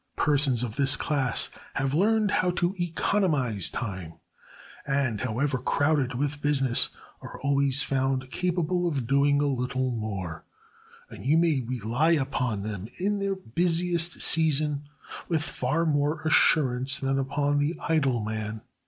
Persons of this class have learned how to economize time, and, however crowded with business, are always found capable of doing a little more; and you may rely upon them in their busiest season with far more assurance than upon the idle man.